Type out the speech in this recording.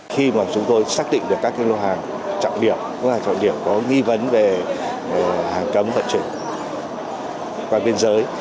khi mà chúng tôi xác định được các cái lô hàng trọng điểm có nghĩa vấn về hàng cấm vận chuyển qua biên giới